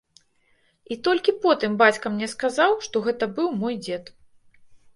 І толькі потым бацька мне сказаў, што гэта быў мой дзед.